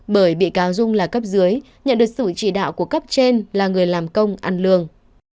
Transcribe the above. bởi bị cáo dung là cấp dưới nhận được sự chỉ đạo của cấp trên là người làm công ăn lương